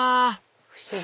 不思議！